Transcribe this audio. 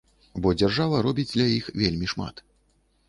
Бо дзяржава робіць для іх вельмі шмат.